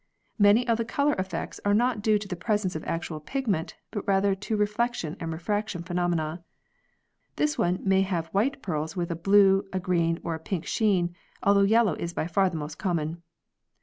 Many of the colour effects are not due to the presence of actual pig ment but rather to reflection and refraction pheno mena. Thus one may have white pearls with a blue, a green, or a pink sheen, although yellow is by far the most common.